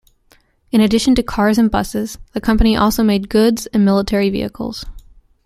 In addition to cars and buses the company also made goods and military vehicles.